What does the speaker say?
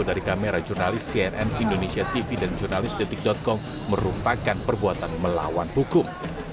dari kamera jurnalis cnn indonesia tv dan jurnalis detik com merupakan perbuatan melawan hukum